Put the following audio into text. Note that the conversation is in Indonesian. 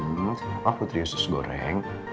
ngak kenapa putri yusus goreng